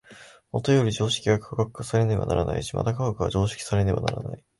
もとより常識は科学化されねばならないし、また科学は常識化されねばならない。